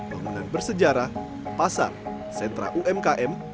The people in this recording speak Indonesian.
bangunan bersejarah pasar sentra umkm